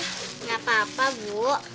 tidak apa apa bu